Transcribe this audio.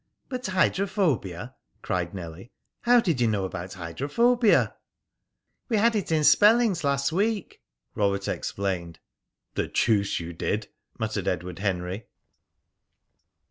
"But hydrophobia!" cried Nellie. "How did you know about hydrophobia?" "We had it in spellings last week," Robert explained. "The deuce you did!" muttered Edward Henry.